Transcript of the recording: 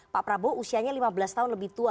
pak prabowo usianya lima belas tahun lebih tua